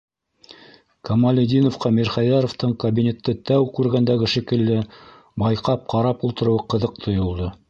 Камалетдиновҡа Мирхәйҙәровтың кабинетты тәү күргәндәге шикелле байҡап ҡарап ултырыуы ҡыҙыҡ тойолдо: